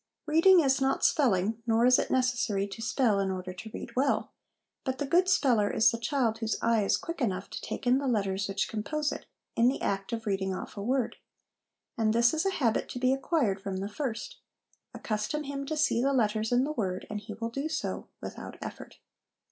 Reading is not spelling, nor is it necessary to spell in order to read well ; but the good speller is the child whose eye is quick enough to take in the letters which compose it, in the act of reading off a word ; and this is a habit to be acquired from the first : accustom him to see the letters in the word, and he will do so without effort.